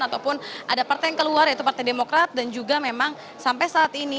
ataupun ada partai yang keluar yaitu partai demokrat dan juga memang sampai saat ini